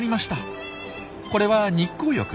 これは日光浴。